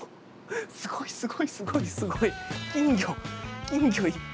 すごいすごい、すごいすごい。